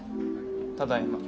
ただいま。